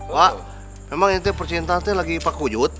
pak memang ini tuh percintaan tuh lagi pakujut